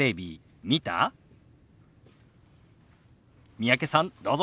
三宅さんどうぞ。